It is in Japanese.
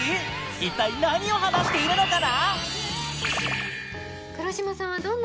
一体何を話しているのかな？